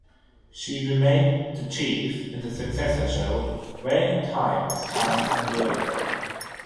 She remained The Chief in the successor show, Where in Time is Carmen Sandiego?